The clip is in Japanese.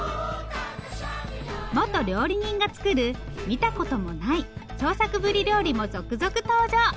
元料理人が作る見たこともない創作ブリ料理も続々登場。